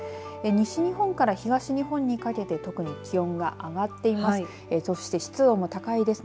西日本から東日本にかけて特に気温が上がっています。